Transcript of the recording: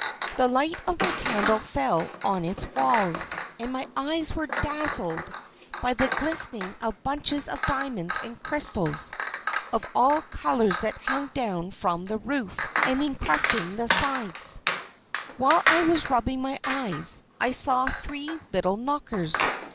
The light of my candle fell on its walls, and my eyes were dazzled by the glistening of bunches of diamonds and crystals of all colours that hung down from the roof, and encrusted the sides. While I was rubbing my eyes, I saw three little Knockers.